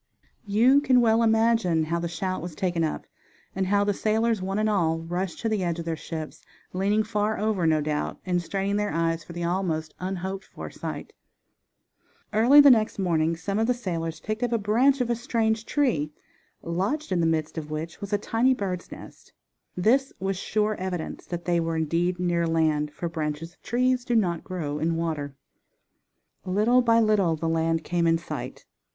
You can well imagine how the shout was taken up, and how the sailors, one and all, rushed to the edge of their ships, leaning far over, no doubt, and straining their eyes for the almost unhoped for sight. Early the next morning some one of the sailors picked up a branch of a strange tree, lodged in the midst of which was a tiny bird's nest. This was sure evidence that they were indeed near land; for branches of trees do not grow in water, Little by little the land came in sight.